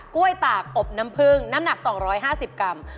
้วยตากอบน้ำพึ่งน้ำหนัก๒๕๐กรัม